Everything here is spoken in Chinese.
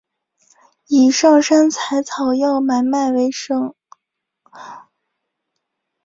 以上山采草药买卖为生。